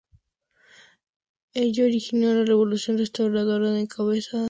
Ello originó la revolución restauradora encabezada por el coronel Mariano Ignacio Prado.